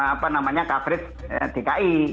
apa namanya coverage dki